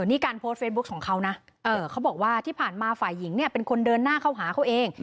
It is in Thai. นี่การโพสต์เฟซบุ๊คของเขานะเขาบอกว่าที่ผ่านมาฝ่ายหญิงเนี่ยเป็นคนเดินหน้าเข้าหาเขาเอง